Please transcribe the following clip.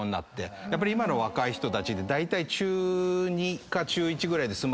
やっぱり今の若い人たちってだいたい中２か中１ぐらいで。